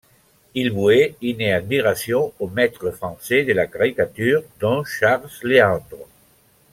Il vouait une admiration aux maîtres français de la caricature, dont Charles Léandre.